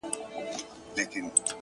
سم د قصاب د قصابۍ غوندي؛